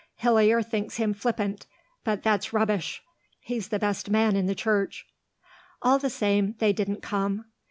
Hillier thinks him flippant; but that's rubbish. He's the best man in the Church." All the same, they didn't come.